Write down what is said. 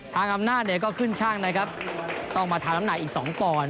อำนาจเนี่ยก็ขึ้นช่างนะครับต้องมาทำน้ำหนักอีก๒ปอนด